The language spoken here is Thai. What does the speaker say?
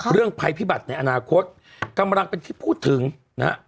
ภัยพิบัติในอนาคตกำลังเป็นที่พูดถึงนะฮะ